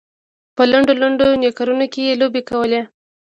په لنډو لنډو نیکرونو کې یې لوبې کولې.